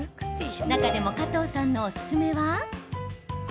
中でも加藤さんのおすすめは？